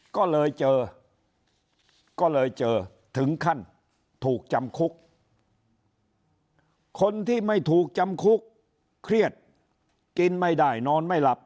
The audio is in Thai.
ก็เลยเจอก็เลยเจอถึงขั้นถูกจำคุกคนที่ไม่ถูกจำคุกเครียดกินไม่ได้นอนไม่หลับ